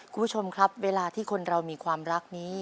คุณผู้ชมครับเวลาที่คนเรามีความรักนี้